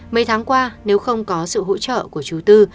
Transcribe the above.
mấy tháng qua nếu không có sự hỗ trợ của chủ tư